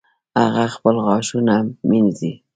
هغه خپل غاښونه مینځي